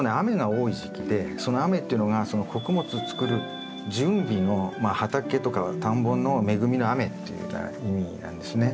多い時期でその雨っていうのがその穀物を作る準備のまあ畑とか田んぼの恵みの雨っていうような意味なんですね。